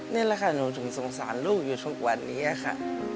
นี่แหละค่ะหนูถึงสงสารลูกอยู่ทุกวันนี้ค่ะ